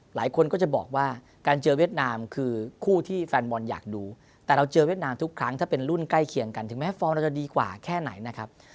หลายคนก็จะบอกว่าการเจอเวียดนามคือคู่ที่แฟนบอลอยากดูแต่เราเจอเวียดนามทุกครั้งถ้าเป็นรุ่นใกล้เคียงกันถึงแม้ฟอร์มเราจะดีกว่าแค่ไหนนะครับ